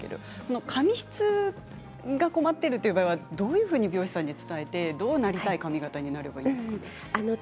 髪質に困っている場合はどういうふうに美容師さんに伝えてどういうなりたい髪形になればいいですか。